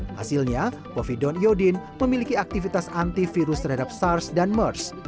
hasilnya povidon iodin memiliki aktivitas anti virus terhadap sars dan mers